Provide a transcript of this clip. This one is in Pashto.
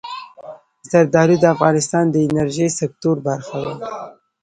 زردالو د افغانستان د انرژۍ سکتور برخه ده.